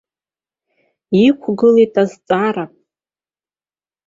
Иқәгылеит азҵаара.